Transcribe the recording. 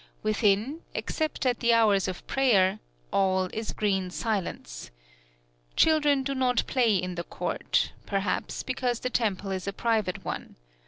Within, except at the hours of prayer, all is green silence. Children do not play in the court perhaps because the temple is a private one.